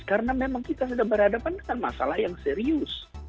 karena memang kita sudah berhadapan dengan masalah yang serius